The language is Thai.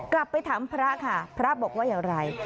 กลับไปถามพระค่ะพระบอกว่าอย่างไร